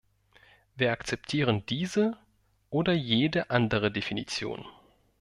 Wir akzeptieren diese oder jede andere Definition.